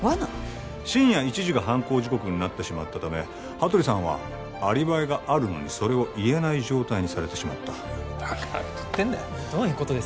深夜１時が犯行時刻になってしまったため羽鳥さんはアリバイがあるのにそれを言えない状態にされてしまったバカなこと言ってんなよどういうことです？